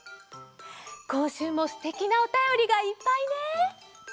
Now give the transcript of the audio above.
こんしゅうもすてきなおたよりがいっぱいね。